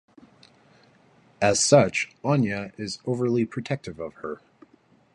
As such, Anya is overly protective of her.